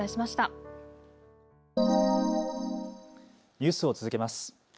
ニュースを続けます。